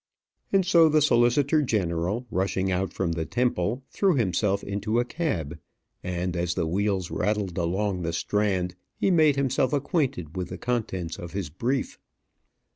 And so the solicitor general, rushing out from the Temple, threw himself into a cab; and as the wheels rattled along the Strand, he made himself acquainted with the contents of his brief.